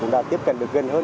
đã tiếp cận được gần hơn